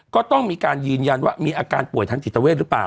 ก็ต้องมีการยืนยันว่ามีอาการป่วยทางจิตเวทหรือเปล่า